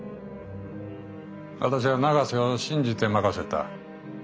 私は永瀬を信じて任せた。